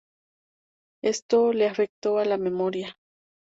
Esto le afectó a la memoria.